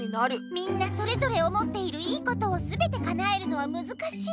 みんなそれぞれ思っている良いことをすべてかなえるのはむずかしい。